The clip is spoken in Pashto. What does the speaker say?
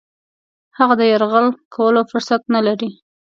هغه د یرغل کولو فرصت نه لري.